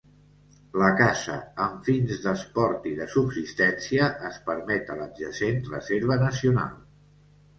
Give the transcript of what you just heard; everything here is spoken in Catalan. La caça amb fins d'esport i de subsistència es permet a l'adjacent reserva nacional.